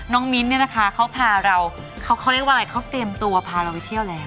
มิ้นท์เนี่ยนะคะเขาพาเราเขาเรียกว่าอะไรเขาเตรียมตัวพาเราไปเที่ยวแล้ว